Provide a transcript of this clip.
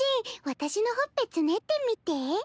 私のほっぺつねってみて。